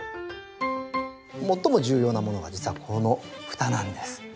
最も重要なものが実はこの蓋なんです。